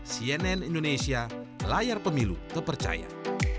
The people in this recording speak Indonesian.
cnn indonesia layar pemilu kepercayaan